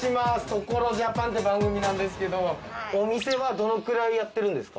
「所ＪＡＰＡＮ」って番組なんですけどお店はどのくらいやってるんですか？